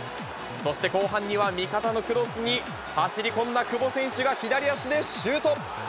そして、後半には味方のクロスに、走り込んだ久保選手が左足でシュート。